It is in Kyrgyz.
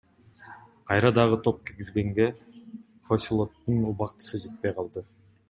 Кайра дагы топ киргизгенге Хосилоттун убактысы жетпей калды.